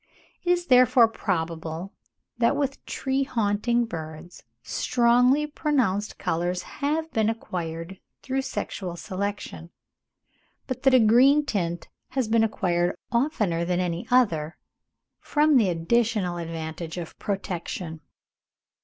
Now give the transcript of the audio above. It is therefore probable that with tree haunting birds, strongly pronounced colours have been acquired through sexual selection, but that a green tint has been acquired oftener than any other, from the additional advantage of protection.